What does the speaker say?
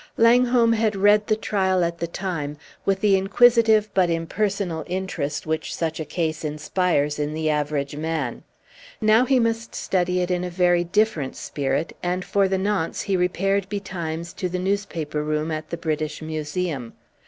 Langholm had read the trial at the time with the inquisitive but impersonal interest which such a case inspires in the average man. Now he must study it in a very different spirit, and for the nonce he repaired betimes to the newspaper room at the British Museum.